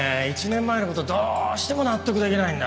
１年前の事どうしても納得できないんだ。